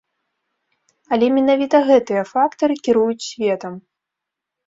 Але менавіта гэтыя фактары кіруюць светам.